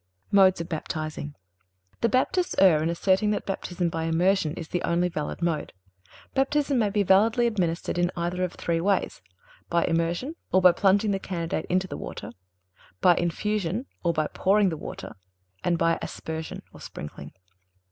Modes of baptizing. The Baptists err in asserting that Baptism by immersion is the only valid mode. Baptism may be validly administered in either of three ways, viz: by immersion, or by plunging the candidate into the water; by infusion, or by pouring the water; and by aspersion, or sprinkling.